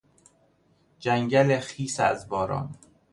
جنگل خیس از باران